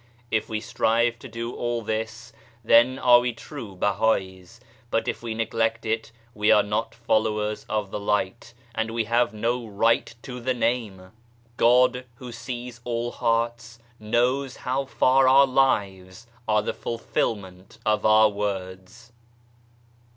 If we strive to do all this, then are we true Bahais, but if we neglect it, we are not followers of the Light, and we have no right to the name. God, who sees all hearts, knows how far our lives are the fulfilment of our words.